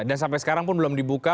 dan sampai sekarang pun belum dibuka